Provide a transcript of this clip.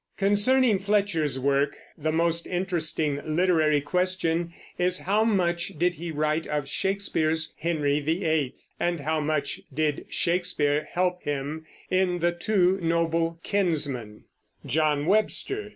Concerning Fletcher's work the most interesting literary question is how much did he write of Shakespeare's Henry VIII, and how much did Shakespeare help him in The Two Noble Kinsmen. JOHN WEBSTER.